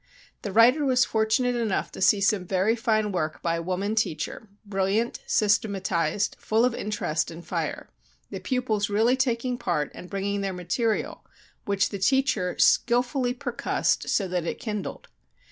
"The writer was fortunate enough to see some very fine work by a woman teacher, brilliant, systematized, full of interest and fire, the pupils really taking part and bringing their material which the teacher skillfully percussed so that it kindled.